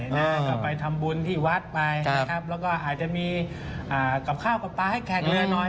ก็ไปทำบุญที่วัดไปแล้วก็อาจจะมีกลับข้าวกับปลาให้แขกหน่อย